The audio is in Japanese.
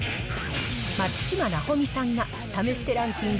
松嶋尚美さんが、試してランキング